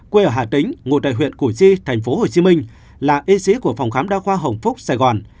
quê ở hà tĩnh ngồi tại huyện củ chi tp hcm là y sĩ của phòng khám đa khoa hồng phúc sài gòn